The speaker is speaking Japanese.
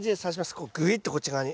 こうぐいっとこっち側に。